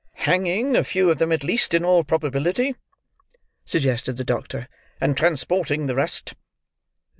"Hanging a few of them at least, in all probability," suggested the doctor, "and transporting the rest."